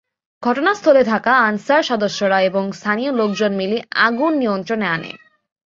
ঘটনাস্থলে থাকা আনসার সদস্যরা এবং স্থানীয় লোকজন মিলে আগুন নিয়ন্ত্রণে আনে।